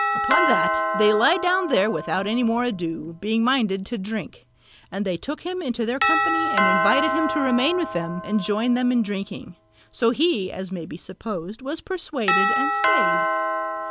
Upon that they lay down there without more ado, being minded to drink, and they took him into their company and invited him to remain with them and join them in their drinking: so he (as may be supposed) was persuaded and stayed.